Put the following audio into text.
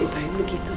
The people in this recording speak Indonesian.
ya ditahui begitu